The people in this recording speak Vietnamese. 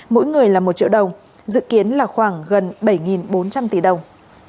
mỗi người là một triệu đồng dự kiến là khoảng gần bảy bốn trăm linh tỷ đồng